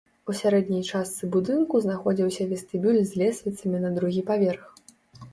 У сярэдняй частцы будынку знаходзіўся вестыбюль з лесвіцамі на другі паверх.